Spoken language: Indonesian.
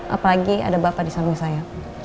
apalagi ada bapak di samping saya